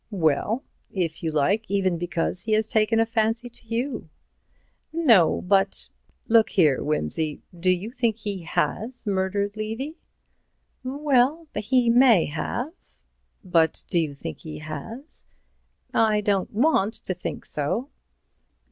"Well, if you like, even because he has taken a fancy to you." "No, but—" "Look here, Wimsey—do you think he has murdered Levy?" "Well, he may have." "But do you think he has?" "I don't want to think so."